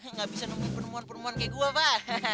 nggak bisa nemuin penemuan penemuan kayak gue fah